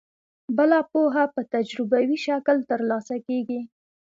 بله پوهه په تجربوي شکل ترلاسه کیږي.